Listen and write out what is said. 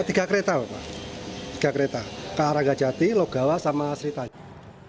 tiga kereta pak tiga kereta ke ranggajati logawa sama sri tanjung